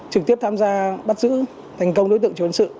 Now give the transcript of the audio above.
trực tiếp tham gia bắt giữ thành công đối tượng truyền sự